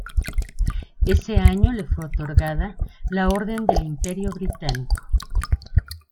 Ese año, le fue otorgada la Orden del Imperio Británico.